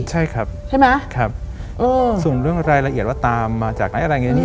ใช่ครับส่วนเรื่องรายละเอียดว่าตามมาจากไหนอะไรแบบนี้